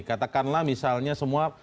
katakanlah misalnya semua